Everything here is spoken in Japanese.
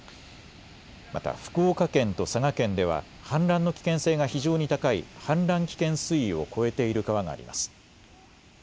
また福岡県と佐賀県では氾濫の危険性が非常に高い氾濫危険水位を超えている川があります。